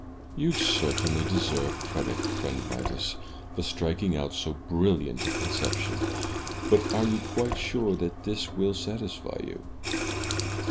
"You certainly deserve credit, friend Midas, for striking out so brilliant a conception. But are you quite sure that this will satisfy you?"